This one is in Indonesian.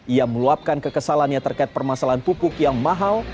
ia meluapkan kekesalannya terkait permasalahan pupuk yang mahal